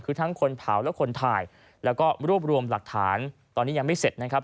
คือทั้งคนเผาและคนถ่ายแล้วก็รวบรวมหลักฐานตอนนี้ยังไม่เสร็จนะครับ